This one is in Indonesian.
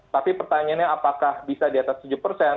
tapi pertanyaannya apakah bisa di atas tujuh persen